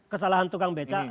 kesalahan tukang becak